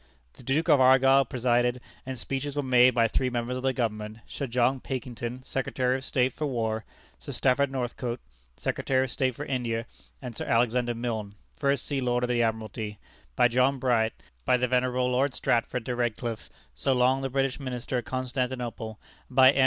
The Duke of Argyll presided, and speeches were made by three members of the government Sir John Pakington, Secretary of State for War; Sir Stafford Northcote, Secretary of State for India; and Sir Alexander Milne, First Sea Lord of the Admiralty; by John Bright; by the venerable Lord Stratford de Redcliffe, so long the British Minister at Constantinople; and by M.